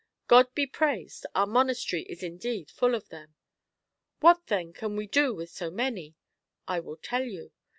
God be praised, our monastery is indeed full of them. What then can we do with so many ? I will tell you.